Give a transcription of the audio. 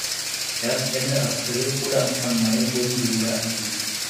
Erst Ende April oder Anfang Mai wurden sie wieder aktiv.